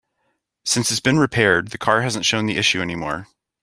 Since it's been repaired, the car hasn't shown the issue any more.